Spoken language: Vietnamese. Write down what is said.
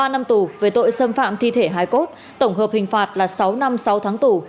ba năm tù về tội xâm phạm thi thể hải cốt tổng hợp hình phạt là sáu năm sáu tháng tù